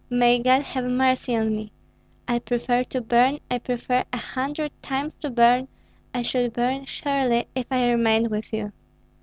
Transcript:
May God have mercy on me! I prefer to burn, I prefer a hundred times to burn; I should burn surely, if I remained with you.